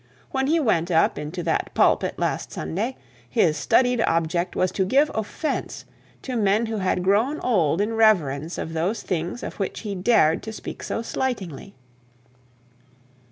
When he went up into that pulpit last Sunday, his studied object was to give offence to men who had grown old in reverence to those things of which he dared to speak so slightingly.